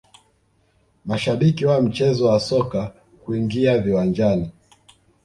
mashabiki wa mchezo wa soka kuingia viwanjani